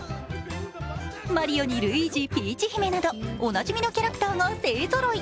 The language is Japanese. マリオにルイージ、ピーチ姫などおなじみのキャラクターが勢ぞろい。